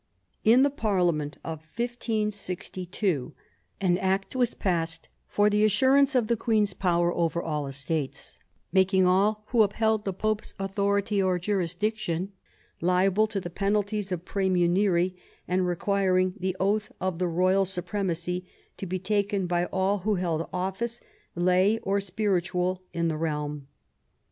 In the Parliament of i^^ an Act was passed for the '* Assurance of the Queen's Power over all Estates," making all who upheld the Pope's authority or jurisdiction liable to the penalties of praemunire, and requiring the oath of the royal supremacy to be taken by all who held office, lay or spiritual, in the realm.